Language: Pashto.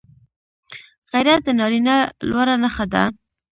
غیرت د نارینه لوړه نښه ده